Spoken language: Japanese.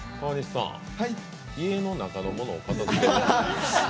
家の中のものを片づける？